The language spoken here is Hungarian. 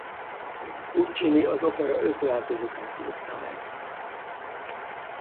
Puccini az opera öt változatát írta meg.